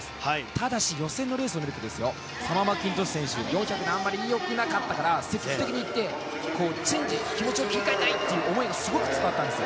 ただし、予選のレースを見るとサマー・マッキントッシュ選手４００あまり良くなかったから積極的にいって気持ちを切り替えたい思いがすごく伝わったんです。